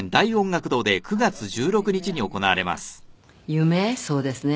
夢そうですね。